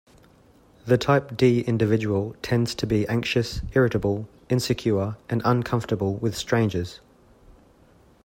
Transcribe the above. The type D individual tends to be anxious, irritable, insecure, and uncomfortable with strangers.